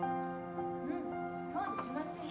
うんそうに決まってる。